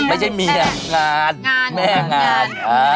ไม่ใช่เมียงาน